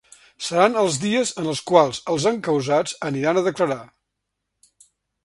Seran els dies en els quals els encausats aniran a declarar.